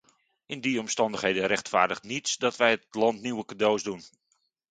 In die omstandigheden rechtvaardigt niets dat wij het land nieuwe cadeaus doen.